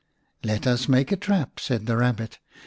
"Let us make a trap," said the Kabbit.